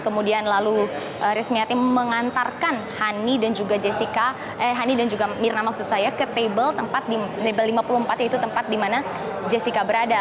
kemudian lalu resmiati mengantarkan honey dan juga mirna ke table lima puluh empat yaitu tempat di mana jessica berada